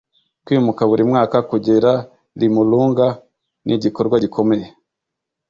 kwimuka buri mwaka kugera limulunga nigikorwa gikomeye